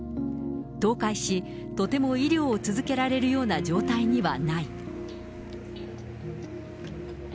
倒壊し、とても医療を続けられるような状態にはない。